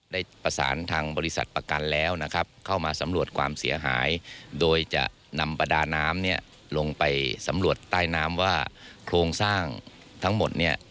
ได้ประสานทางบริษัทประกันแล้วนะครับเข้ามาสำรวจความเสียหายโดยจะนำประดาน้ำเนี่ยลงไปสำรวจใต้น้ำว่าโครงสร้างทั้งหมดเนี่ย